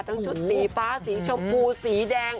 ชุดสีฟ้าสีชมพูสีแดง